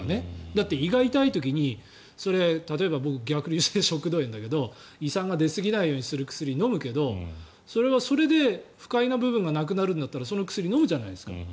胃が痛い時に僕、逆流性食道炎だけど胃酸が出すぎないようにする薬を飲むけれどそれで不快な部分がなくなるんだったらその薬を飲むじゃないですか。